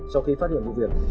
sau khi phát hiện vụ việc